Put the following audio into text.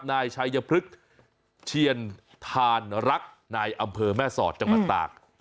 นายชายพลึกเชียนทานรักในอำเภอแม่ศพจังหวัดต่าง